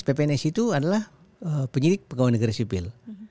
ppns itu adalah penyedik pegawai negara sipil